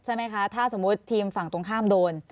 ใช่ไหมคะถ้าสมมุติทีมฝั่งตรงข้ามโดน